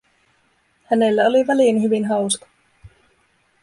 Hänellä oli väliin hyvin hauska.